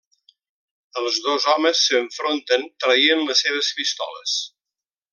Els dos homes s'enfronten, traient les seves pistoles.